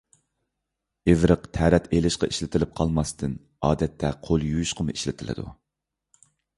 ئىۋرىق تەرەت ئېلىشقا ئىشلىتىلىپ قالماستىن، ئادەتتە قول يۇيۇشقىمۇ ئىشلىتىلىدۇ.